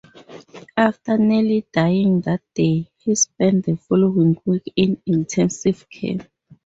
After nearly dying that day, he spent the following week in intensive care.